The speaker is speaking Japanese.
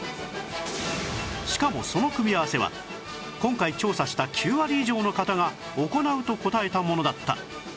しかもその組み合わせは今回調査した９割以上の方が行うと答えたものだった